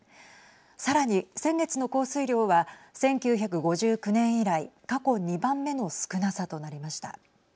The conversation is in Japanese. さらに先月の降水量は１９５９年以来過去２番目の少なさとなりました。